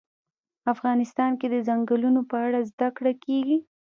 افغانستان کې د ځنګلونه په اړه زده کړه کېږي.